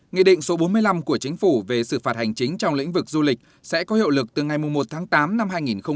nghị định số bốn mươi năm của chính phủ về xử phạt hành chính trong lĩnh vực du lịch sẽ có hiệu lực từ ngày một tháng tám năm hai nghìn hai mươi